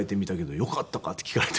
よかったか？」って聞かれて